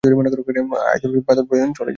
অহিতের প্রতিদানে ভারত দিয়া চলে হিত।